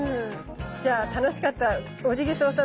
じゃあ楽しかったオジギソウさん